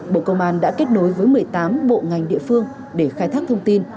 bộ công an đã kết nối với một mươi tám bộ ngành địa phương để khai thác thông tin